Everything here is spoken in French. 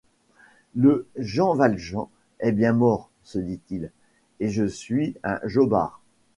Le Jean Valjean est bien mort, se dit-il, et je suis un jobard.